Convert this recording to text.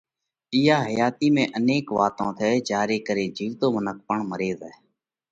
اِيئا حياتِي ۾ انيڪ واتون ٿئه جيا ري ڪري جِيوَتو منک پڻ مري زائھ۔